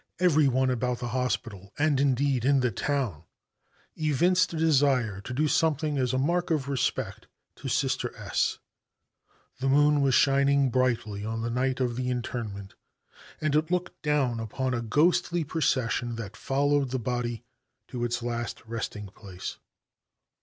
Every one about the hospital, and, indeed, in the town, evinced a desire to do something as a mark of respect to Sister S . The moon was shining brightly on the night of the interment, and it looked down upon a ghostly procession that followed the body to its last resting place.